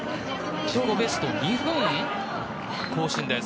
自己ベストを２分更新です。